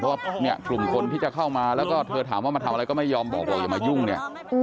เพราะว่าเนี่ยกลุ่มคนที่จะเข้ามาแล้วก็เธอถามว่ามาทำอะไรก็ไม่ยอมบอกบอกอย่ามายุ่งเนี่ย